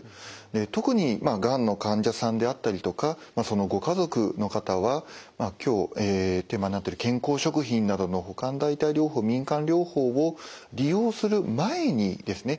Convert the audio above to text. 特にがんの患者さんであったりとかそのご家族の方は今日テーマになってる健康食品などの補完代替療法民間療法を利用する前にですね是非相談をしていただきたいと思います。